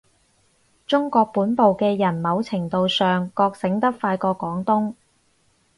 中國本部嘅人某程度上覺醒得快過廣東